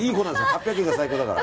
８００円が最高だから。